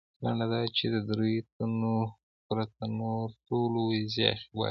لنډه دا چې د درېیو تنو پرته نورو ټولو ویزې واخیستلې.